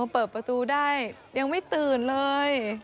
เปิดประตูได้ยังไม่ตื่นเลย